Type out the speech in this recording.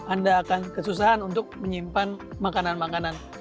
anda akan kesusahan untuk menyimpan makanan makanan